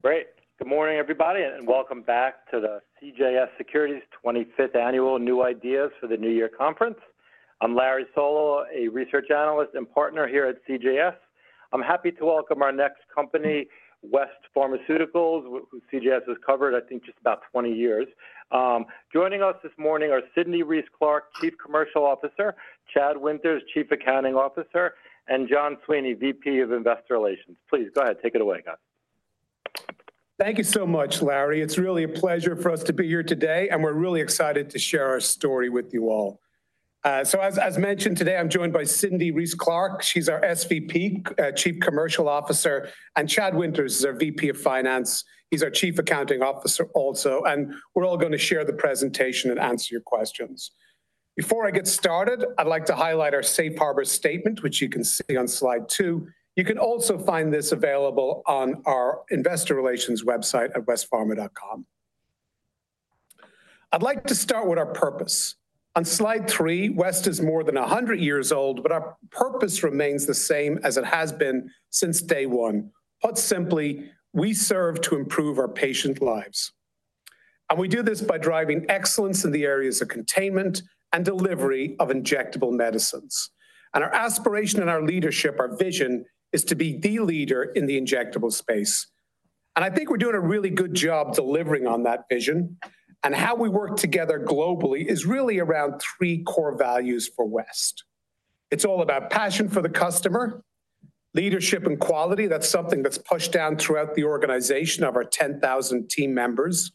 Great. Good morning, everybody, and welcome back to the CJS Securities 25th Annual New Ideas for the New Year Conference. I'm Larry Solow, a Research Analyst and Partner here at CJS. I'm happy to welcome our next company, West Pharmaceutical Services, whom CJS has covered, I think, just about 20 years. Joining us this morning are Cindy Reiss-Clark, Chief Commercial Officer, Chad Winters, Chief Accounting Officer, and John Sweeney, VP of Investor Relations. Please go ahead. Take it away, guys. Thank you so much, Larry. It's really a pleasure for us to be here today, and we're really excited to share our story with you all. So, as mentioned today, I'm joined by Cindy Reiss-Clark. She's our SVP, Chief Commercial Officer, and Chad Winters is our VP of Finance. He's our Chief Accounting Officer also, and we're all going to share the presentation and answer your questions. Before I get started, I'd like to highlight our Safe Harbor Statement, which you can see on slide two. You can also find this available on our Investor Relations website at westpharma.com. I'd like to start with our purpose. On slide three, West is more than 100 years old, but our purpose remains the same as it has been since day one. Put simply, we serve to improve our patients' lives. And we do this by driving excellence in the areas of containment and delivery of injectable medicines. And our aspiration and our leadership, our vision, is to be the leader in the injectable space. And I think we're doing a really good job delivering on that vision. And how we work together globally is really around three core values for West. It's all about passion for the customer, leadership, and quality. That's something that's pushed down throughout the organization of our 10,000 team members.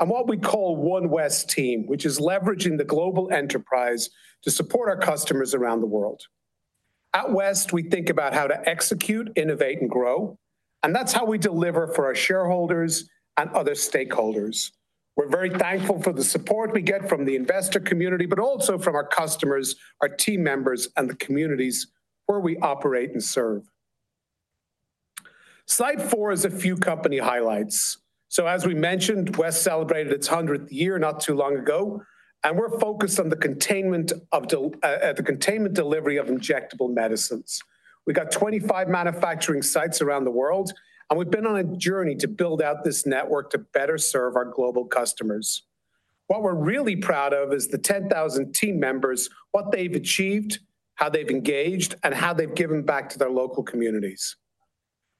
And what we call One West Team, which is leveraging the global enterprise to support our customers around the world. At West, we think about how to execute, innovate, and grow. And that's how we deliver for our shareholders and other stakeholders. We're very thankful for the support we get from the investor community, but also from our customers, our team members, and the communities where we operate and serve. Slide four is a few company highlights. So, as we mentioned, West celebrated its 100th year not too long ago, and we're focused on the containment delivery of injectable medicines. We've got 25 manufacturing sites around the world, and we've been on a journey to build out this network to better serve our global customers. What we're really proud of is the 10,000 team members, what they've achieved, how they've engaged, and how they've given back to their local communities.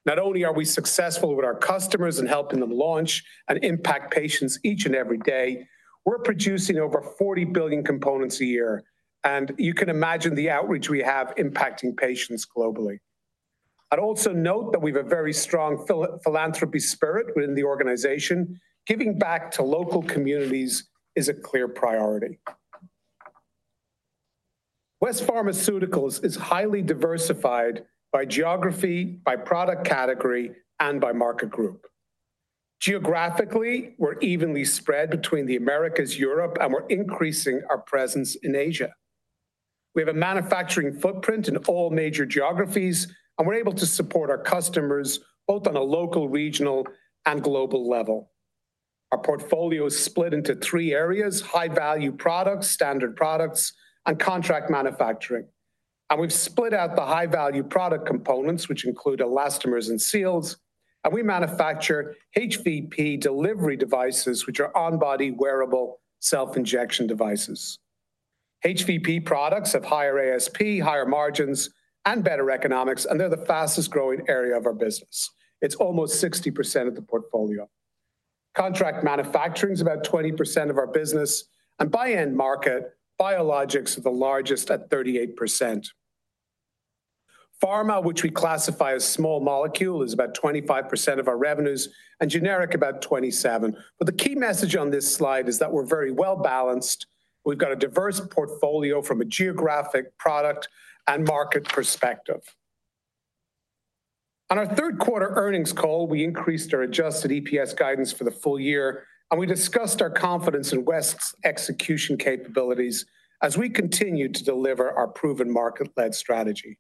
Not only are we successful with our customers in helping them launch and impact patients each and every day, we're producing over 40 billion components a year, and you can imagine the outreach we have impacting patients globally. I'd also note that we have a very strong philanthropy spirit within the organization. Giving back to local communities is a clear priority. West Pharmaceutical Services is highly diversified by geography, by product category, and by market group. Geographically, we're evenly spread between the Americas, Europe, and we're increasing our presence in Asia. We have a manufacturing footprint in all major geographies, and we're able to support our customers both on a local, regional, and global level. Our portfolio is split into three areas: high-value products, standard products, and contract manufacturing. And we've split out the high-value product components, which include elastomers and seals, and we manufacture HVP delivery devices, which are on-body wearable self-injection devices. HVP products have higher ASP, higher margins, and better economics, and they're the fastest-growing area of our business. It's almost 60% of the portfolio. Contract manufacturing is about 20% of our business, and by end market, biologics are the largest at 38%. Pharma, which we classify as small molecule, is about 25% of our revenues and generic about 27%. But the key message on this slide is that we're very well balanced. We've got a diverse portfolio from a geographic, product, and market perspective. On our third quarter earnings call, we increased our Adjusted EPS guidance for the full year, and we discussed our confidence in West's execution capabilities as we continue to deliver our proven market-led strategy.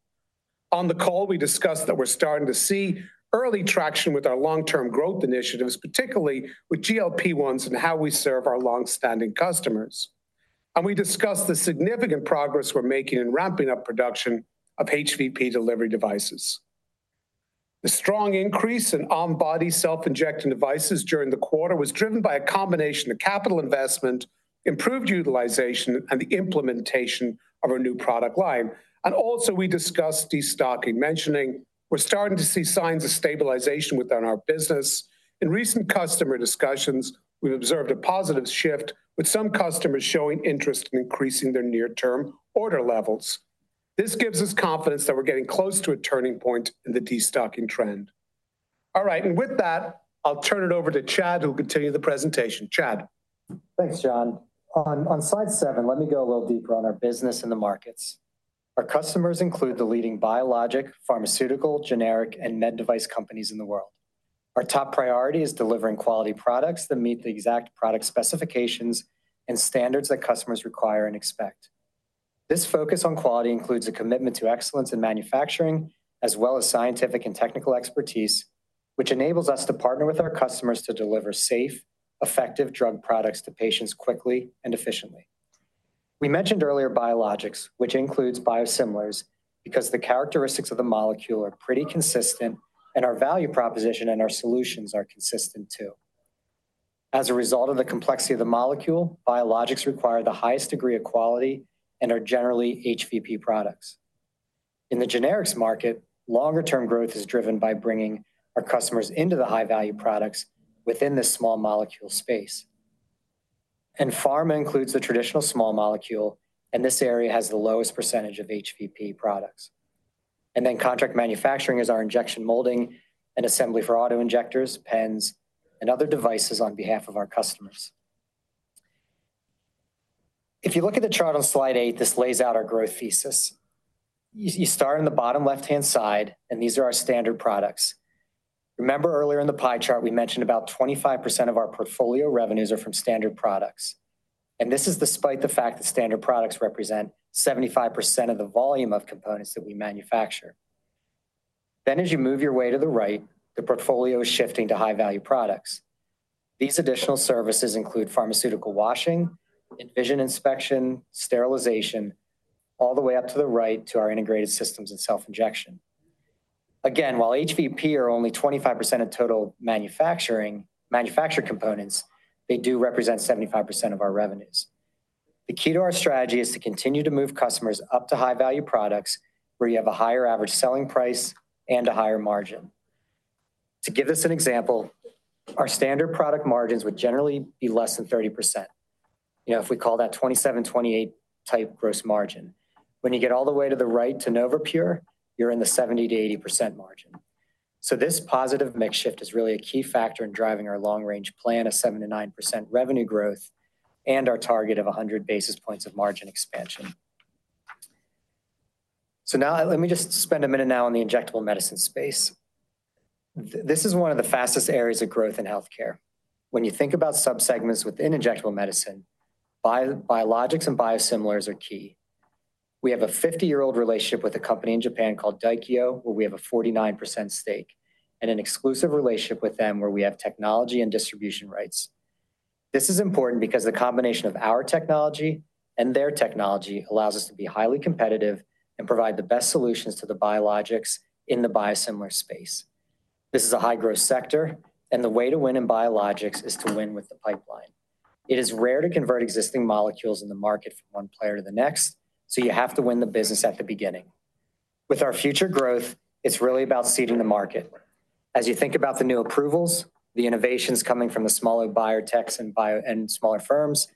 On the call, we discussed that we're starting to see early traction with our long-term growth initiatives, particularly with GLP-1s and how we serve our longstanding customers, and we discussed the significant progress we're making in ramping up production of HVP delivery devices. The strong increase in on-body self-injecting devices during the quarter was driven by a combination of capital investment, improved utilization, and the implementation of our new product line. And also, we discussed destocking, mentioning we're starting to see signs of stabilization within our business. In recent customer discussions, we've observed a positive shift, with some customers showing interest in increasing their near-term order levels. This gives us confidence that we're getting close to a turning point in the destocking trend. All right, and with that, I'll turn it over to Chad, who will continue the presentation. Chad. Thanks, John. On slide seven, let me go a little deeper on our business and the markets. Our customers include the leading biologics, pharmaceutical, generic, and med device companies in the world. Our top priority is delivering quality products that meet the exact product specifications and standards that customers require and expect. This focus on quality includes a commitment to excellence in manufacturing, as well as scientific and technical expertise, which enables us to partner with our customers to deliver safe, effective drug products to patients quickly and efficiently. We mentioned earlier biologics, which includes biosimilars, because the characteristics of the molecule are pretty consistent, and our value proposition and our solutions are consistent too. As a result of the complexity of the molecule, biologics require the highest degree of quality and are generally HVP products. In the generics market, longer-term growth is driven by bringing our customers into the high-value products within this small molecule space. And pharma includes the traditional small molecule, and this area has the lowest percentage of HVP products. And then contract manufacturing is our injection, molding, and assembly for auto injectors, pens, and other devices on behalf of our customers. If you look at the chart on slide eight, this lays out our growth thesis. You start on the bottom left-hand side, and these are our standard products. Remember earlier in the pie chart, we mentioned about 25% of our portfolio revenues are from standard products. And this is despite the fact that standard products represent 75% of the volume of components that we manufacture. Then, as you move your way to the right, the portfolio is shifting to high-value products. These additional services include pharmaceutical washing, Envision inspection, sterilization, all the way up to the right to our integrated systems and self-injection. Again, while HVP are only 25% of total manufacturing components, they do represent 75% of our revenues. The key to our strategy is to continue to move customers up to high-value products where you have a higher average selling price and a higher margin. To give us an example, our standard product margins would generally be less than 30%. You know, if we call that 27%-28% type gross margin. When you get all the way to the right to NovaPure, you're in the 70%-80% margin. So this positive mix shift is really a key factor in driving our long-range plan of 7%-9% revenue growth and our target of 100 basis points of margin expansion. So now let me just spend a minute now on the injectable medicine space. This is one of the fastest areas of growth in healthcare. When you think about subsegments within injectable medicine, biologics and biosimilars are key. We have a 50-year-old relationship with a company in Japan called Daikyo, where we have a 49% stake, and an exclusive relationship with them where we have technology and distribution rights. This is important because the combination of our technology and their technology allows us to be highly competitive and provide the best solutions to the biologics in the biosimilar space. This is a high-growth sector, and the way to win in biologics is to win with the pipeline. It is rare to convert existing molecules in the market from one player to the next, so you have to win the business at the beginning. With our future growth, it's really about seeding the market. As you think about the new approvals, the innovations coming from the smaller biotechs and smaller firms,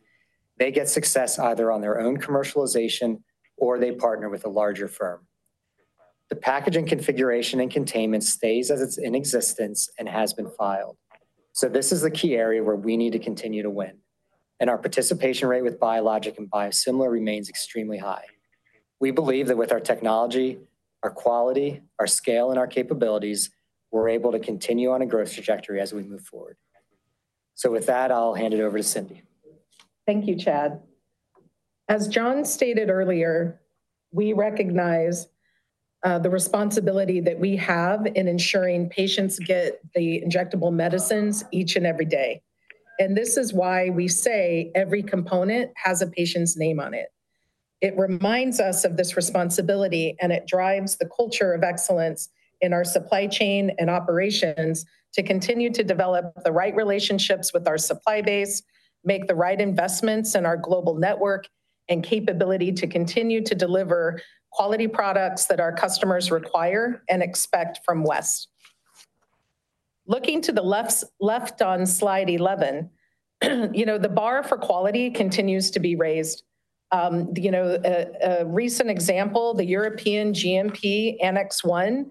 they get success either on their own commercialization or they partner with a larger firm. The packaging configuration and containment stays as it's in existence and has been filed. So this is the key area where we need to continue to win. And our participation rate with biologics and biosimilars remains extremely high. We believe that with our technology, our quality, our scale, and our capabilities, we're able to continue on a growth trajectory as we move forward. So with that, I'll hand it over to Cindy. Thank you, Chad. As John stated earlier, we recognize the responsibility that we have in ensuring patients get the injectable medicines each and every day. And this is why we say every component has a patient's name on it. It reminds us of this responsibility, and it drives the culture of excellence in our supply chain and operations to continue to develop the right relationships with our supply base, make the right investments in our global network, and capability to continue to deliver quality products that our customers require and expect from West. Looking to the left on slide 11, you know, the bar for quality continues to be raised. You know, a recent example, the European GMP Annex 1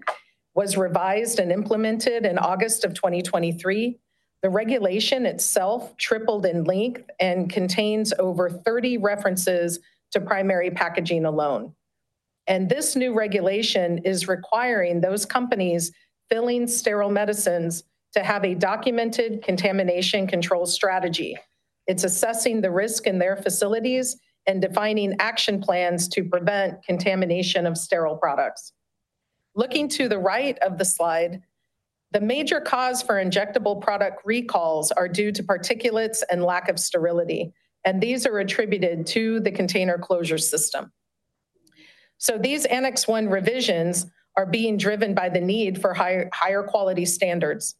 was revised and implemented in August of 2023. The regulation itself tripled in length and contains over 30 references to primary packaging alone. This new regulation is requiring those companies filling sterile medicines to have a documented contamination control strategy. It's assessing the risk in their facilities and defining action plans to prevent contamination of sterile products. Looking to the right of the slide, the major cause for injectable product recalls is due to particulates and lack of sterility, and these are attributed to the container closure system. These Annex 1 revisions are being driven by the need for higher quality standards,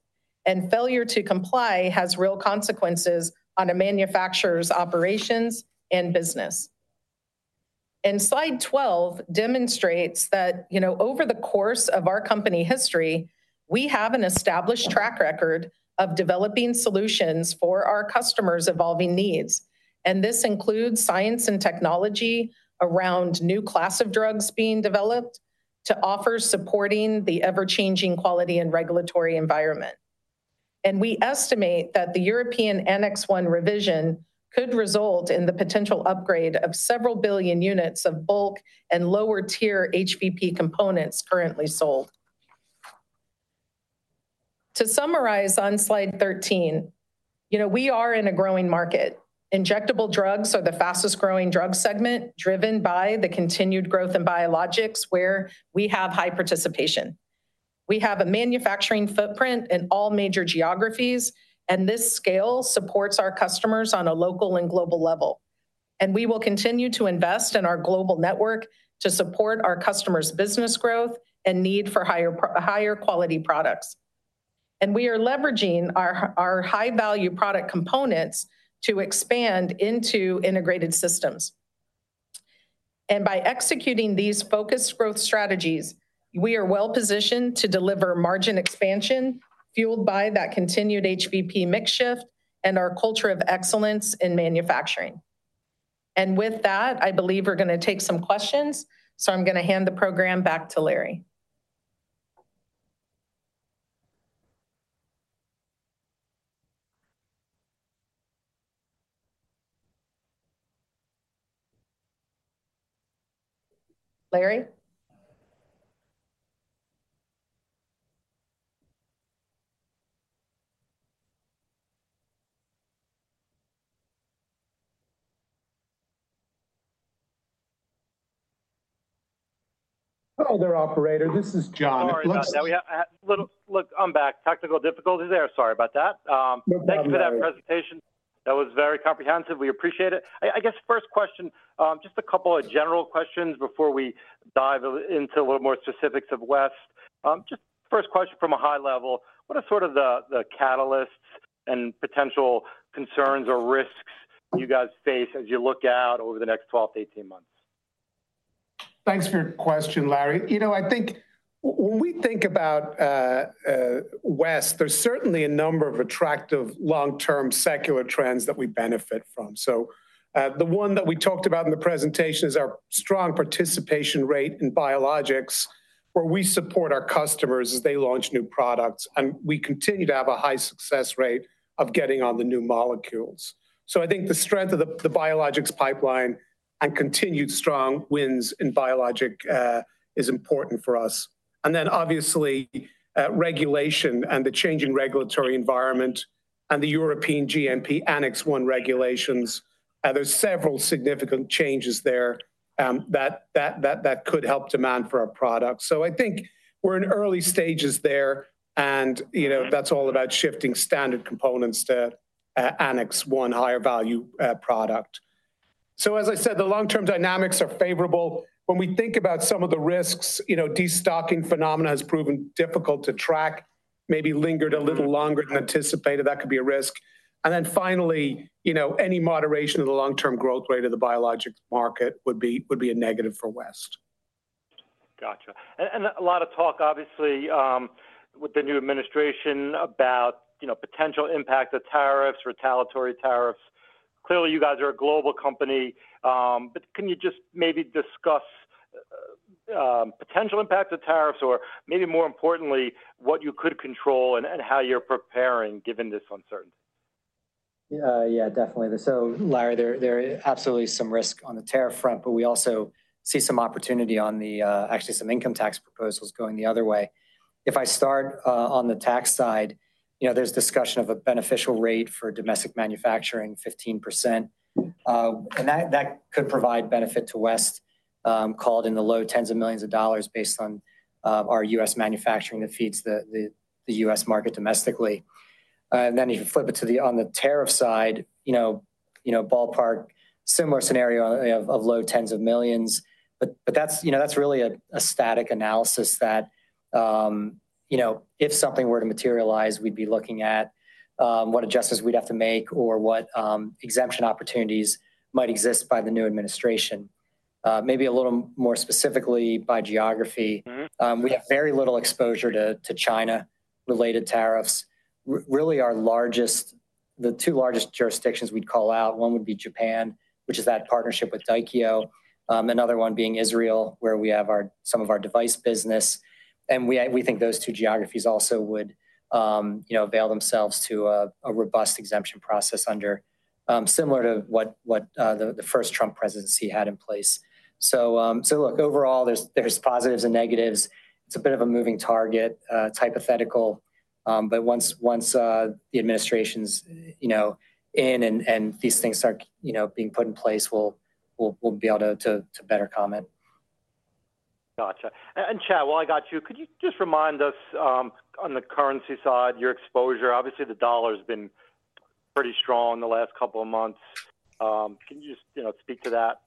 and failure to comply has real consequences on a manufacturer's operations and business. Slide 12 demonstrates that, you know, over the course of our company history, we have an established track record of developing solutions for our customers' evolving needs. This includes science and technology around new classes of drugs being developed to offer supporting the ever-changing quality and regulatory environment. We estimate that the European Annex 1 revision could result in the potential upgrade of several billion units of bulk and lower-tier HVP components currently sold. To summarize on slide 13, you know, we are in a growing market. Injectable drugs are the fastest-growing drug segment driven by the continued growth in biologics, where we have high participation. We have a manufacturing footprint in all major geographies, and this scale supports our customers on a local and global level. We will continue to invest in our global network to support our customers' business growth and need for higher quality products. We are leveraging our high-value product components to expand into integrated systems. By executing these focused growth strategies, we are well-positioned to deliver margin expansion fueled by that continued HVP mix shift and our culture of excellence in manufacturing. With that, I believe we're going to take some questions, so I'm going to hand the program back to Larry. Larry? Hello, there operator. This is John. I'm back. Technical difficulties there. Sorry about that. Thank you for that presentation. That was very comprehensive. We appreciate it. I guess first question, just a couple of general questions before we dive into a little more specifics of West. Just first question from a high level, what are sort of the catalysts and potential concerns or risks you guys face as you look out over the next 12-18 months? Thanks for your question, Larry. You know, I think when we think about West, there's certainly a number of attractive long-term secular trends that we benefit from, so the one that we talked about in the presentation is our strong participation rate in biologics, where we support our customers as they launch new products, and we continue to have a high success rate of getting on the new molecules, so I think the strength of the biologics pipeline and continued strong wins in biologics is important for us, and then obviously regulation and the changing regulatory environment and the European GMP Annex 1 regulations, there's several significant changes there that could help demand for our products, so I think we're in early stages there, and you know, that's all about shifting standard components to Annex 1 higher value product, so as I said, the long-term dynamics are favorable. When we think about some of the risks, you know, destocking phenomena has proven difficult to track, maybe lingered a little longer than anticipated. That could be a risk. And then finally, you know, any moderation of the long-term growth rate of the biologics market would be a negative for West. Gotcha. And a lot of talk, obviously, with the new administration about, you know, potential impact of tariffs, retaliatory tariffs. Clearly, you guys are a global company. But can you just maybe discuss potential impact of tariffs or maybe more importantly, what you could control and how you're preparing given this uncertainty? Yeah, definitely. So Larry, there are absolutely some risks on the tariff front, but we also see some opportunity on the, actually, some income tax proposals going the other way. If I start on the tax side, you know, there's discussion of a beneficial rate for domestic manufacturing, 15%. And that could provide benefit to West, could in the low tens of millions of dollars based on our U.S. manufacturing that feeds the U.S. market domestically. And then if you flip it to the tariff side, you know, ballpark similar scenario of low tens of millions. But that's really a static analysis that, you know, if something were to materialize, we'd be looking at what adjustments we'd have to make or what exemption opportunities might exist by the new administration. Maybe a little more specifically by geography. We have very little exposure to China-related tariffs. Really, our largest, the two largest jurisdictions we'd call out, one would be Japan, which is that partnership with Daikyo, another one being Israel, where we have some of our device business. And we think those two geographies also would, you know, avail themselves to a robust exemption process under similar to what the first Trump presidency had in place. So look, overall, there's positives and negatives. It's a bit of a moving target, hypothetical. But once the administration's, you know, in and these things are, you know, being put in place, we'll be able to better comment. Gotcha. And Chad, while I got you, could you just remind us on the currency side, your exposure? Obviously the dollar has been pretty strong the last couple of months. Can you just, you know, speak to that?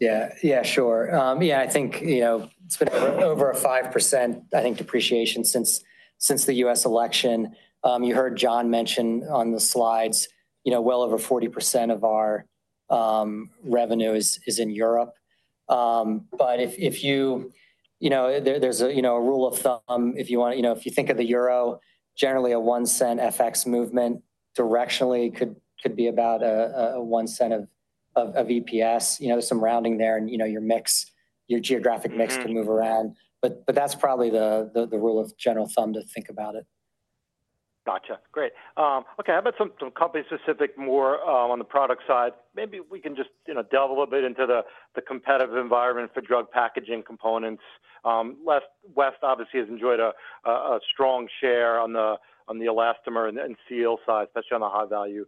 Yeah, yeah, sure. Yeah, I think, you know, it's been over 5%, I think, depreciation since the U.S. election. You heard John mention on the slides, you know, well over 40% of our revenue is in Europe. But if you, you know, there's a general rule of thumb, if you want to, you know, if you think of the euro, generally a one-cent FX movement directionally could be about a one cent of EPS. You know, there's some rounding there and, you know, your mix, your geographic mix can move around. But that's probably the general rule of thumb to think about it. Gotcha. Great. Okay, how about some company-specific more on the product side? Maybe we can just, you know, delve a little bit into the competitive environment for drug packaging components. West obviously has enjoyed a strong share on the elastomer and seal side, especially on the high-value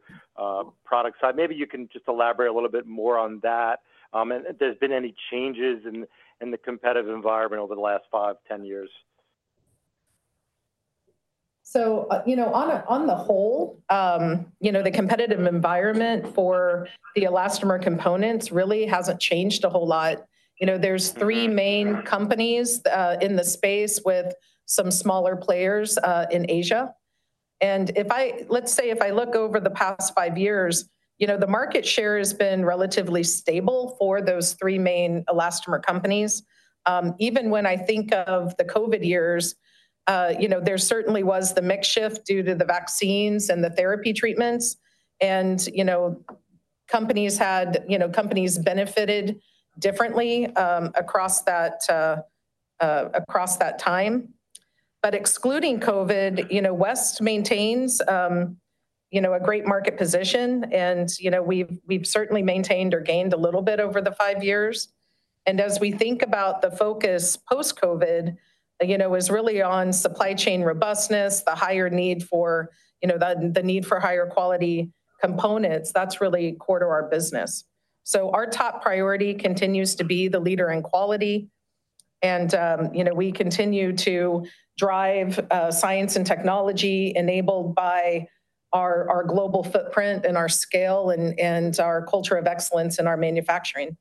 product side. Maybe you can just elaborate a little bit more on that. And there's been any changes in the competitive environment over the last five, 10 years? You know, on the whole, you know, the competitive environment for the elastomer components really hasn't changed a whole lot. You know, there's three main companies in the space with some smaller players in Asia. Let's say if I look over the past five years, you know, the market share has been relatively stable for those three main elastomer companies. Even when I think of the COVID years, you know, there certainly was the mix shift due to the vaccines and the therapy treatments. And, you know, companies benefited differently across that time. Excluding COVID, you know, West maintains, you know, a great market position. And, you know, we've certainly maintained or gained a little bit over the five years. As we think about the focus post-COVID, you know, is really on supply chain robustness, the higher need for, you know, the need for higher quality components. That's really core to our business. Our top priority continues to be the leader in quality. We continue to drive science and technology enabled by our global footprint and our scale and our culture of excellence in our manufacturing.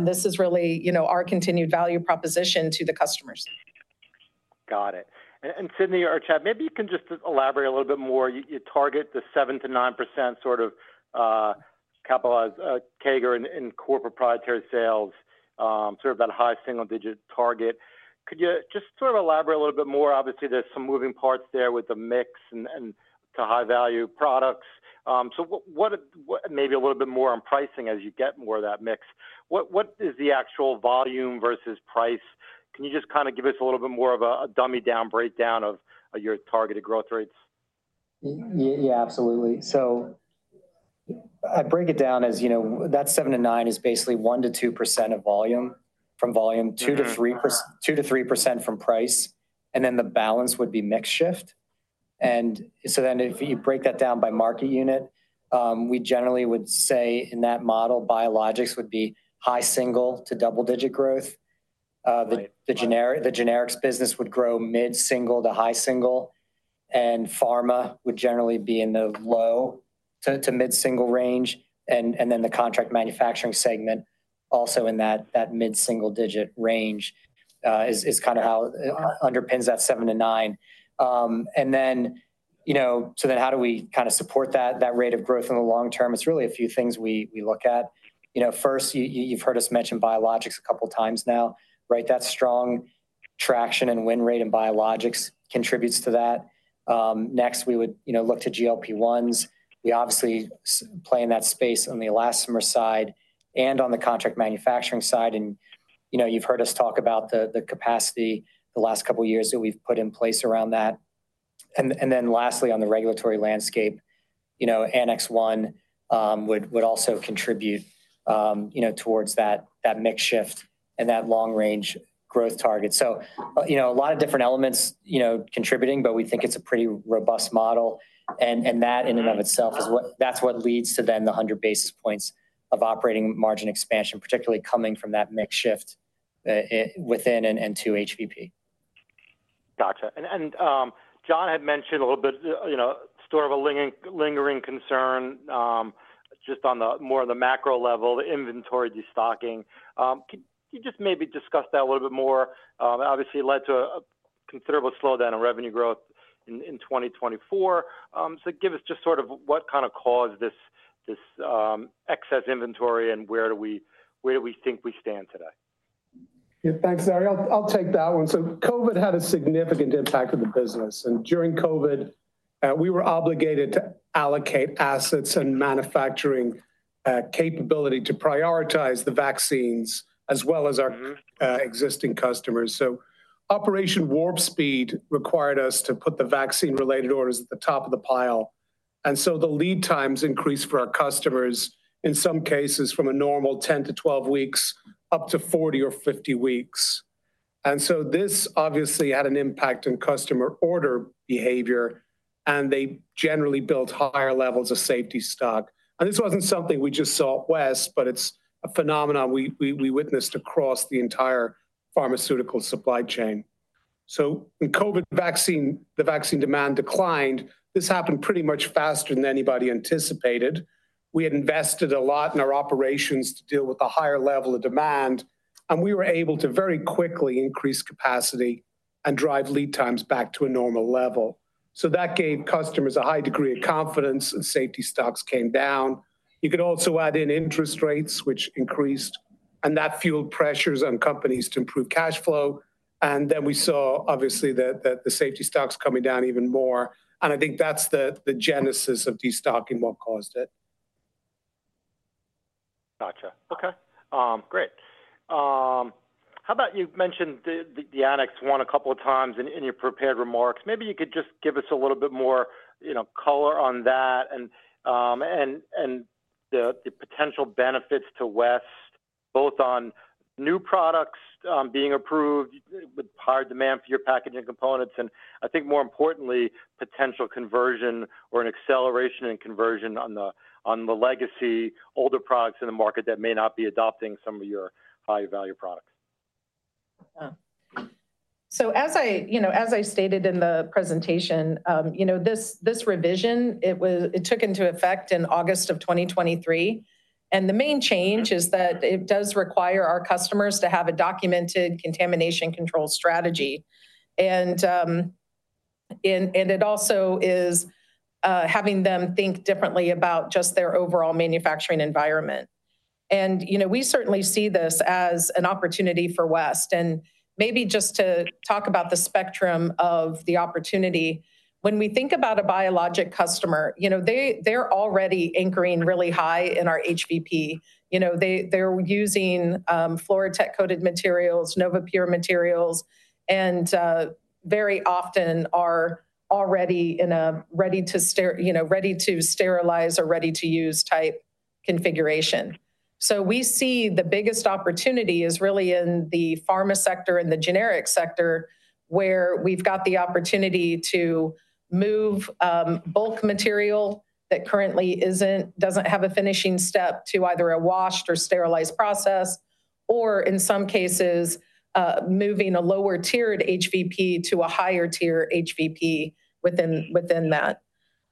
This is really, you know, our continued value proposition to the customers. Got it, and Cindy or Chad, maybe you can just elaborate a little bit more. You target the 7%-9% sort of CAGR and corporate proprietary sales, sort of that high single-digit target. Could you just sort of elaborate a little bit more? Obviously, there's some moving parts there with the mix and to high-value products. So maybe a little bit more on pricing as you get more of that mix. What is the actual volume versus price? Can you just kind of give us a little bit more of a dumbed-down breakdown of your targeted growth rates? Yeah, absolutely, so I break it down as, you know, that 7%-9% is basically 1%-2% of volume from volume, 2%-3% from price, and then the balance would be mix shift, and so then if you break that down by market unit, we generally would say in that model, biologics would be high single- to double-digit growth. The generics business would grow mid-single to high single. And pharma would generally be in the low- to mid-single range, and then the contract manufacturing segment also in that mid-single digit range is kind of how underpins that 7%-9%, and then, you know, so then how do we kind of support that rate of growth in the long term? It's really a few things we look at. You know, first, you've heard us mention biologics a couple of times now, right? That strong traction and win rate in biologics contributes to that. Next, we would, you know, look to GLP-1s. We obviously play in that space on the elastomer side and on the contract manufacturing side. And, you know, you've heard us talk about the capacity the last couple of years that we've put in place around that. And then lastly, on the regulatory landscape, you know, Annex 1 would also contribute, you know, towards that mix shift and that long-range growth target. So, you know, a lot of different elements, you know, contributing, but we think it's a pretty robust model. And that in and of itself is what that leads to then the 100 basis points of operating margin expansion, particularly coming from that mix shift within and to HVP. Gotcha, and John had mentioned a little bit, you know, sort of a lingering concern just on the more of the macro level, the inventory destocking. Can you just maybe discuss that a little bit more? Obviously, it led to a considerable slowdown in revenue growth in 2024, so give us just sort of what kind of caused this excess inventory and where do we think we stand today? Thanks, Larry. I'll take that one. So COVID had a significant impact on the business. During COVID, we were obligated to allocate assets and manufacturing capability to prioritize the vaccines as well as our existing customers. Operation Warp Speed required us to put the vaccine-related orders at the top of the pile. The lead times increased for our customers in some cases from a normal 10 to 12 weeks up to 40 or 50 weeks. This obviously had an impact on customer order behavior. They generally built higher levels of safety stock. This wasn't something we just saw at West, but it's a phenomenon we witnessed across the entire pharmaceutical supply chain. When COVID vaccine demand declined, this happened pretty much faster than anybody anticipated. We had invested a lot in our operations to deal with a higher level of demand. And we were able to very quickly increase capacity and drive lead times back to a normal level. So that gave customers a high degree of confidence and safety stocks came down. You could also add in interest rates, which increased, and that fueled pressures on companies to improve cash flow. And then we saw obviously that the safety stocks coming down even more. And I think that's the genesis of destocking, what caused it. Gotcha. Okay. Great. How about you mentioned the Annex 1 a couple of times in your prepared remarks. Maybe you could just give us a little bit more, you know, color on that and the potential benefits to West, both on new products being approved with higher demand for your packaging components, and I think more importantly, potential conversion or an acceleration in conversion on the legacy older products in the market that may not be adopting some of your high-value products. So, you know, as I stated in the presentation, you know, this revision, it took into effect in August of 2023. And the main change is that it does require our customers to have a documented contamination control strategy. And it also is having them think differently about just their overall manufacturing environment. And, you know, we certainly see this as an opportunity for West. And maybe just to talk about the spectrum of the opportunity, when we think about a biologic customer, you know, they're already anchoring really high in our HVP. You know, they're using FluroTec-coated materials, NovaPure materials, and very often are already in a ready to, you know, ready to sterilize or ready to use type configuration. So we see the biggest opportunity is really in the pharma sector and the generic sector where we've got the opportunity to move bulk material that currently doesn't have a finishing step to either a washed or sterilized process, or in some cases, moving a lower-tiered HVP to a higher-tier HVP within that.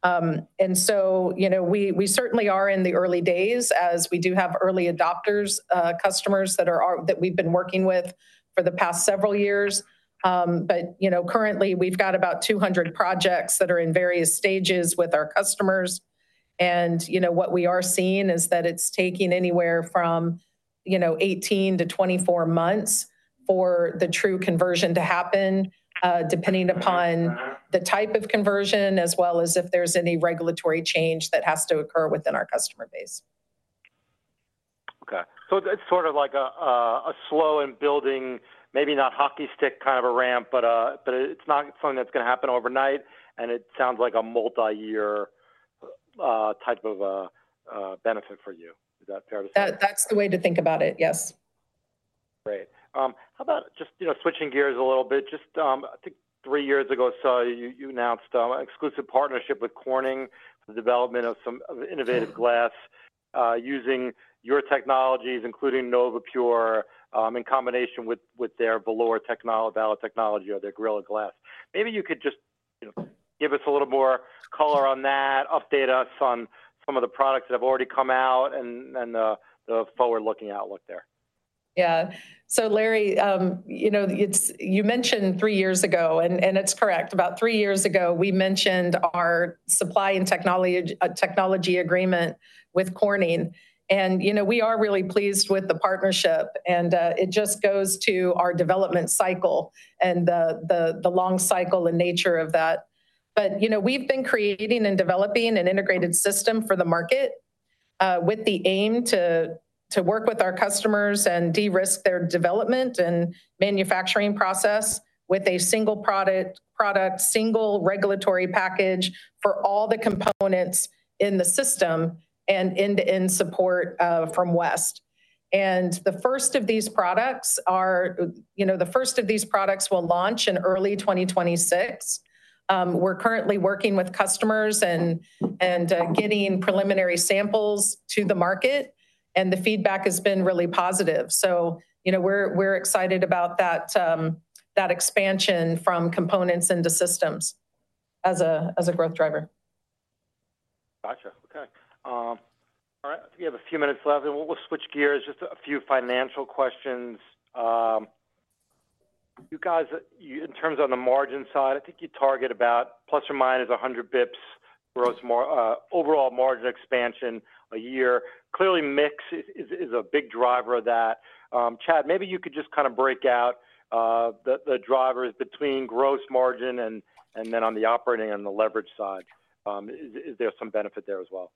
And so, you know, we certainly are in the early days as we do have early adopters, customers that we've been working with for the past several years. But, you know, currently we've got about 200 projects that are in various stages with our customers. And, you know, what we are seeing is that it's taking anywhere from, you know, 18-24 months for the true conversion to happen, depending upon the type of conversion, as well as if there's any regulatory change that has to occur within our customer base. Okay. It's sort of like a slow and building, maybe not hockey stick kind of a ramp, but it's not something that's going to happen overnight, and it sounds like a multi-year type of benefit for you. Is that fair to say? That's the way to think about it, yes. Great. How about just, you know, switching gears a little bit? Just, I think three years ago, you announced an exclusive partnership with Corning for the development of some innovative glass using your technologies, including NovaPure in combination with their Valor Technology or their Gorilla Glass. Maybe you could just, you know, give us a little more color on that, update us on some of the products that have already come out and the forward-looking outlook there. Yeah. So, Larry, you know, you mentioned three years ago, and it's correct, about three years ago, we mentioned our supply and technology agreement with Corning, and you know, we are really pleased with the partnership. And it just goes to our development cycle and the long cycle and nature of that, but you know, we've been creating and developing an integrated system for the market with the aim to work with our customers and de-risk their development and manufacturing process with a single product, single regulatory package for all the components in the system and end-to-end support from West. And the first of these products will launch in early 2026. We're currently working with customers and getting preliminary samples to the market, and the feedback has been really positive. You know, we're excited about that expansion from components into systems as a growth driver. Gotcha. Okay. All right. I think we have a few minutes left. And we'll switch gears. Just a few financial questions. You guys, in terms of the margin side, I think you target about plus or minus 100 basis points gross overall margin expansion a year. Clearly, mix is a big driver of that. Chad, maybe you could just kind of break out the drivers between gross margin and then on the operating and the leverage side. Is there some benefit there as well?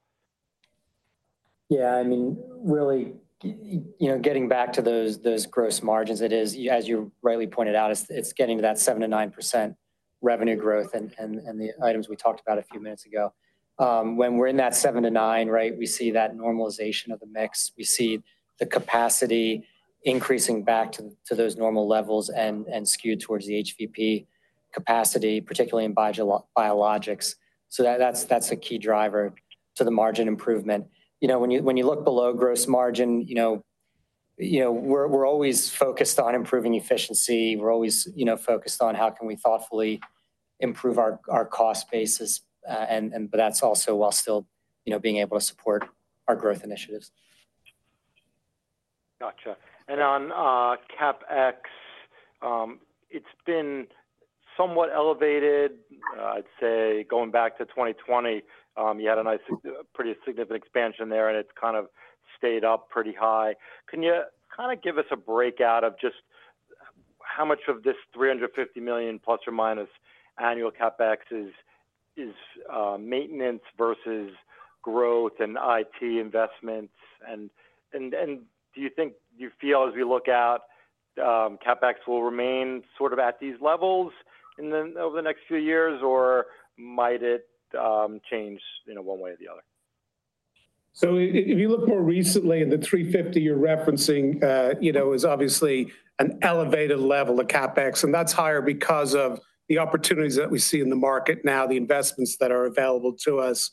Yeah. I mean, really, you know, getting back to those gross margins, it is, as you rightly pointed out, it's getting to that 7%-9% revenue growth and the items we talked about a few minutes ago. When we're in that 7%-9%, right, we see that normalization of the mix. We see the capacity increasing back to those normal levels and skewed towards the HVP capacity, particularly in biologics. So that's a key driver to the margin improvement. You know, when you look below gross margin, you know, we're always focused on improving efficiency. We're always, you know, focused on how can we thoughtfully improve our cost basis. And that's also while still, you know, being able to support our growth initiatives. Gotcha. And on CapEx, it's been somewhat elevated. I'd say going back to 2020, you had a pretty significant expansion there, and it's kind of stayed up pretty high. Can you kind of give us a breakout of just how much of this $350 million plus or minus annual CapEx is maintenance versus growth and IT investments? And do you think, do you feel as we look out, CapEx will remain sort of at these levels over the next few years, or might it change, you know, one way or the other? So if you look more recently, the $350 you're referencing, you know, is obviously an elevated level of CapEx. And that's higher because of the opportunities that we see in the market now, the investments that are available to us.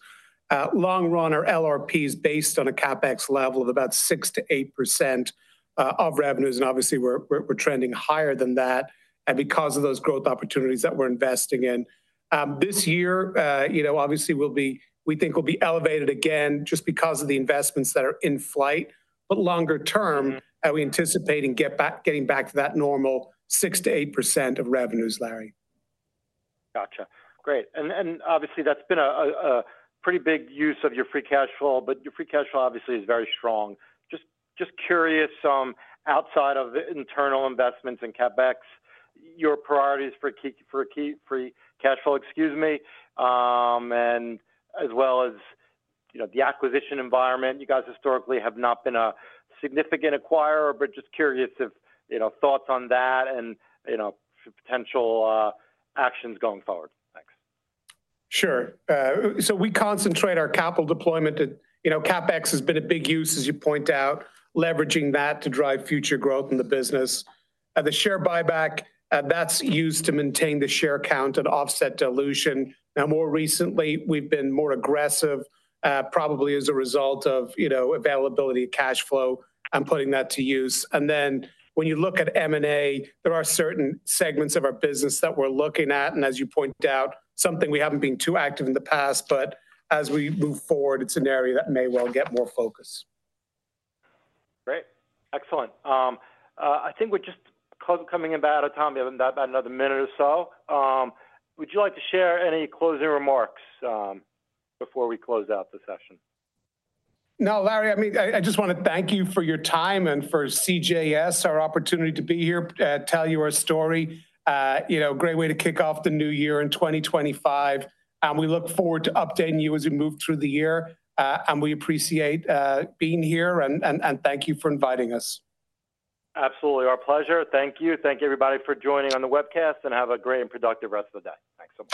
Long run, our LRP is based on a CapEx level of about 6%-8% of revenues. And obviously, we're trending higher than that because of those growth opportunities that we're investing in. This year, you know, obviously, we think we'll be elevated again just because of the investments that are in flight. But longer term, we anticipate getting back to that normal 6%-8% of revenues, Larry. Gotcha. Great. And obviously, that's been a pretty big use of your free cash flow. But your free cash flow obviously is very strong. Just curious, outside of internal investments in CapEx, your priorities for free cash flow, excuse me, and as well as, you know, the acquisition environment, you guys historically have not been a significant acquirer, but just curious if, you know, thoughts on that and, you know, potential actions going forward. Thanks. Sure. So we concentrate our capital deployment at, you know, CapEx has been a big use, as you point out, leveraging that to drive future growth in the business. The share buyback, that's used to maintain the share count and offset dilution. Now, more recently, we've been more aggressive, probably as a result of, you know, availability of cash flow and putting that to use. And then when you look at M&A, there are certain segments of our business that we're looking at. And as you point out, something we haven't been too active in the past, but as we move forward, it's an area that may well get more focus. Great. Excellent. I think we're just coming about our time. We have about another minute or so. Would you like to share any closing remarks before we close out the session? No, Larry, I mean, I just want to thank you for your time and for CJS, our opportunity to be here to tell you our story. You know, great way to kick off the new year in 2025. And we look forward to updating you as we move through the year. And we appreciate being here. And thank you for inviting us. Absolutely. Our pleasure. Thank you. Thank you, everybody, for joining on the webcast and have a great and productive rest of the day. Thanks.